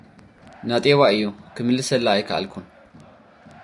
ናጤባ እዩ! - ክምልሰላ ኣይከኣልኩን።